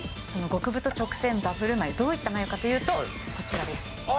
極太直線バブル眉、どういった眉かというとこちらです。